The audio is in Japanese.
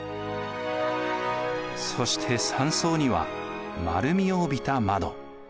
そして３層には丸みを帯びた窓。